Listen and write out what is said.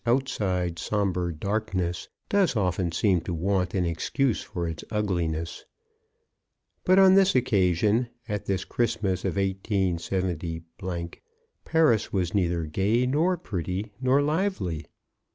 outside sombre darkness, does often seem to want an excuse for its ugliness. But on this occasion, at this Christmas of 187—, Paris was neither gay, nor pretty, nor lively.